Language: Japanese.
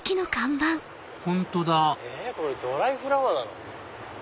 本当だこれドライフラワーなの？